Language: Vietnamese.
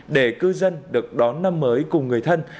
để cư dân được đón năm mới cùng người thân